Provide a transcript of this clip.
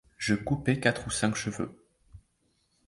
Je coupai quatre ou cinq cheveux.